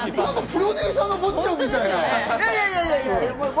プロデューサーのポジションみたいな。